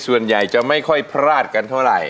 ส่วนใหญ่จะไม่ค่อยพลาดกันเท่าไหร่